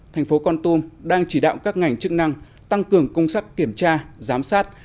tp hcm đang chỉ đạo các ngành chức năng tăng cường công sắc kiểm tra giám sát